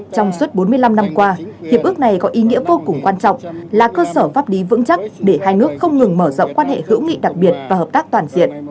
trong suốt bốn mươi năm năm qua hiệp ước này có ý nghĩa vô cùng quan trọng là cơ sở pháp lý vững chắc để hai nước không ngừng mở rộng quan hệ hữu nghị đặc biệt và hợp tác toàn diện